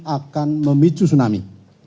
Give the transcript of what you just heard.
akan memicu tsunami